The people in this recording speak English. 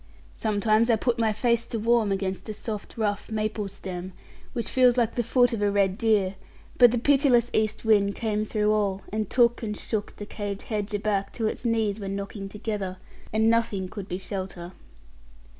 Sometimes I put my face to warm against the soft, rough maple stem, which feels like the foot of a red deer; but the pitiless east wind came through all, and took and shook the caved hedge aback till its knees were knocking together, and nothing could be shelter.